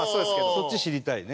そっち知りたいね。